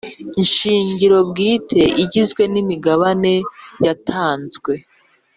Shingiro bwite igizwe n imigabane yatanzwe